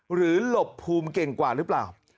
หลบภูมิเก่งกว่าหรือเปล่า